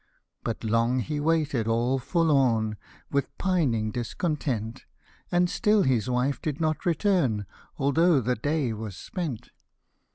But long he waited all forlorn, With pining discontent ; And still his wife did not return, Although the day was spent.